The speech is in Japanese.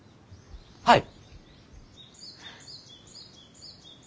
はい。